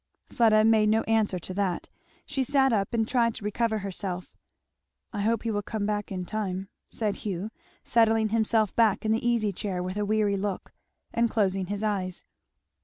Fleda made no answer to that. She sat up and tried to recover herself. "I hope he will come back in time," said Hugh, settling himself back in the easy chair with a weary look, and closing his eyes.